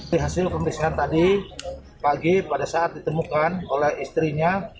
di hasil pemeriksaan tadi pagi pada saat ditemukan oleh istrinya